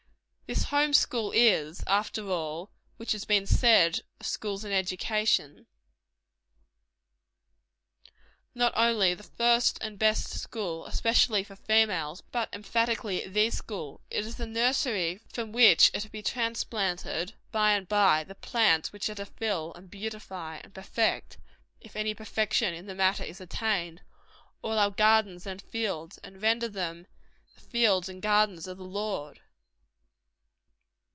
This home school is after all which has been said of schools and education not only the first and best school, especially for females, but emphatically the school. It is the nursery from which are to be transplanted, by and by, the plants which are to fill, and beautify, and perfect if any perfection in the matter is attained all our gardens and fields, and render them the fields and gardens of the Lord.